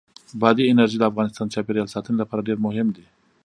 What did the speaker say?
بادي انرژي د افغانستان د چاپیریال ساتنې لپاره ډېر مهم دي.